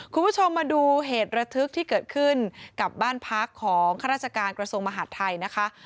คุณผู้ชมมาดูเหตุระทึกที่เกิดขึ้นกับบ้านพักของข้าราชการกระทรวงมหาดไทยนะคะ